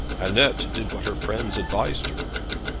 'Annette did what her friends advised her.'